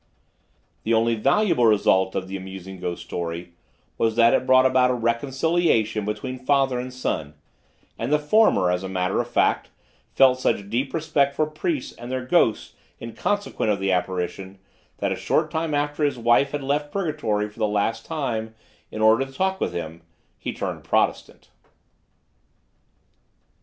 The only valuable result of the amusing ghost story was that it brought about a reconciliation between father and son, and the former, as a matter of fact, felt such deep respect for priests and their ghosts in consequence of the apparition that a short time after his wife had left purgatory for the last time in order to talk with him he turned Protestant.